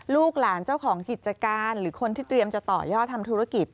ลูกหลานเจ้าของกิจการหรือคนที่เตรียมจะต่อยอดทำธุรกิจ